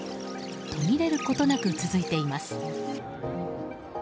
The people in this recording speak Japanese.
途切れることなく続いています。